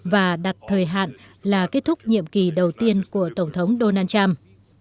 và đặt thời hạn là kết thúc nhiệm kỳ đầu tiên của tổng thống donald trump